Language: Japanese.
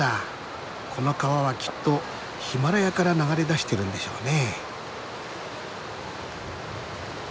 この川はきっとヒマラヤから流れ出してるんでしょうね。